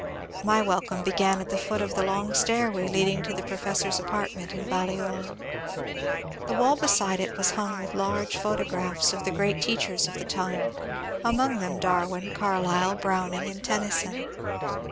My welcome began at the foot of the long stairway leading to the professor's apartment in Balliol : the wall beside it was hung with large photographs of the great teachers of the time, among them Darwin, Carlyle, Browning, and Tennyson.